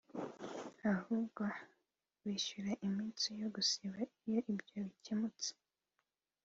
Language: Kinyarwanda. ahubwo bishyura iminsi yo gusiba iyo ibyo bikemutse